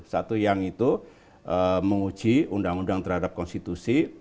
satu yang itu menguji undang undang terhadap konstitusi